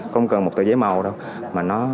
không cần một tờ giấy màu đâu mà nó